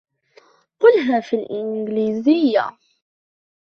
قُلها فى الإنجليزية.